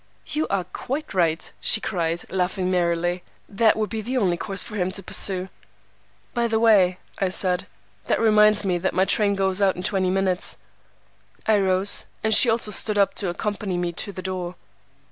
"'You are quite right,' she cried, laughing merrily. 'That would be the only course for him to pursue.' "'By the way,' I said, 'that reminds me that my train goes out in twenty minutes.' "I rose, and she also stood up to accompany me to the door.